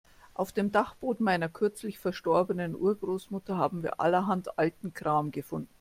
Auf dem Dachboden meiner kürzlich verstorbenen Urgroßmutter haben wir allerhand alten Kram gefunden.